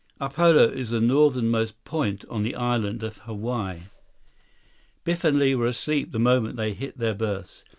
Upolu is the northernmost point on the Island of Hawaii. Biff and Li were asleep the moment they hit their berths.